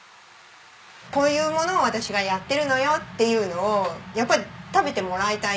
こういうものを私がやってるのよっていうのをやっぱり食べてもらいたい。